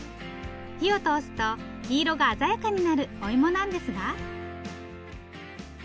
火を通すと黄色が鮮やかになるおいもなんですが。